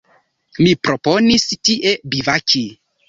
Mi proponis tie bivaki.